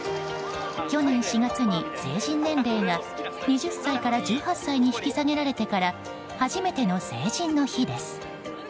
去年４月に成人年齢が２０歳から１８歳に引き下げられてから初めての成人の日です。